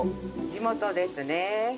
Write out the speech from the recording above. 地元ですね。